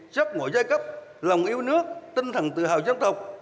sắp ngồi giai cấp lòng yêu nước tinh thần tự hào dân tộc